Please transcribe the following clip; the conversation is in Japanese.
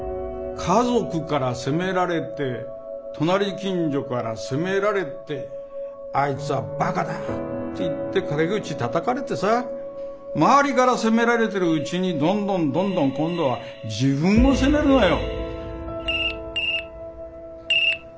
家族から責められて隣近所から責められて「あいつはバカだ」っていって陰口たたかれてさ周りから責められてるうちにどんどんどんどん今度は自分を責めるのよ。